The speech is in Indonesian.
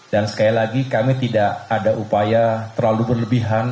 dan sekali lagi kami tidak ada upaya terlalu berlebihan